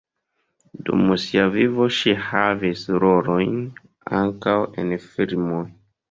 Dum sia vivo ŝi havis rolojn ankaŭ en filmoj.